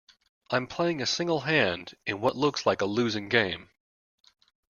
I'm playing a single hand in what looks like a losing game.